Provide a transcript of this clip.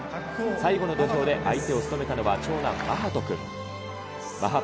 最後の土俵で相手を務めたのは長男、眞羽人君。